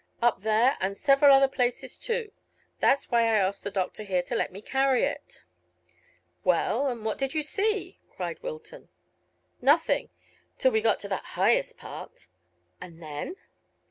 "Up there, and several other places too. That's why I asked the doctor here to let me carry it." "Well, and what did you see?" cried Wilton. "Nothing, till we got to that highest part." "And then?"